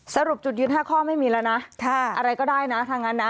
สรุปจุดยืน๕ข้อไม่มีแล้วนะอะไรก็ได้นะถ้างั้นนะ